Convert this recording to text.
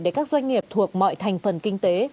để các doanh nghiệp thuộc mọi thành phần kinh tế